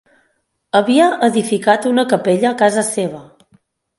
Havia edificat una capella a casa seva.